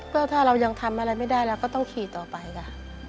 ก็ถ้าเรายังทำอะไรไม่ได้เราก็ต้องขี่ต่อไปค่ะ